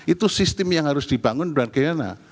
itu sistem yang harus dibangun bagaimana